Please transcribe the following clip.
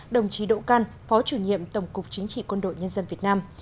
đồng chí đỗ căn phó chủ nhiệm tổng cục chính trị quân đội nhân dân việt nam